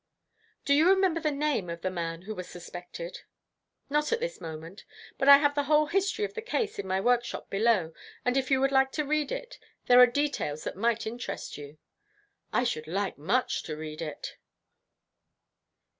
"Do you remember the name of the man who was suspected?" "Not at this moment; but I have the whole history of the case in my workshop below, and if you would like to read it, there are details that might interest you." "I should like much to read it."